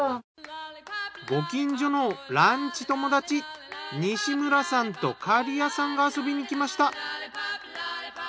ご近所のランチ友達西村さんと刈屋さんが遊びにきました。